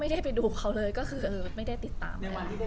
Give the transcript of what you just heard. ในวันนี้ได้คุยกับเขาเราได้เคลียร์ยังไงบ้าง